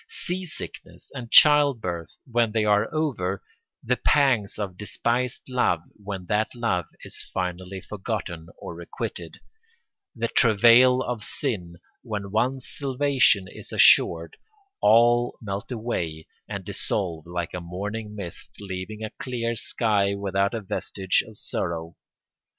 Sea sickness and child birth when they are over, the pangs of despised love when that love is finally forgotten or requited, the travail of sin when once salvation is assured, all melt away and dissolve like a morning mist leaving a clear sky without a vestige of sorrow.